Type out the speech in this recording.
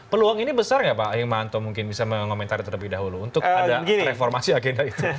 peluang ini besar nggak pak hikmahanto mungkin bisa mengomentari terlebih dahulu untuk ada reformasi agenda itu